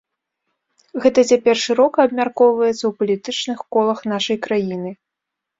Гэта цяпер шырока абмяркоўваецца ў палітычных колах нашай краіны.